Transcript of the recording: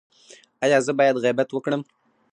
ایا زه باید غیبت وکړم؟